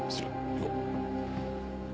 行こう。